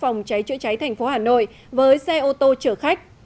trong đó có vụ tai nạn giữa xe chữa cháy thành phố hà nội với xe ô tô chở khách